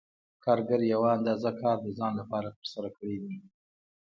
کارګر یوه اندازه کار د ځان لپاره ترسره کړی دی